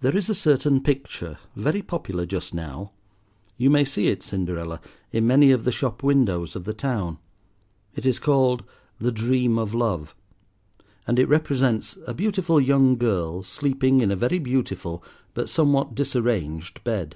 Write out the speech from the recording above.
There is a certain picture very popular just now. You may see it, Cinderella, in many of the shop windows of the town. It is called "The Dream of Love," and it represents a beautiful young girl, sleeping in a very beautiful but somewhat disarranged bed.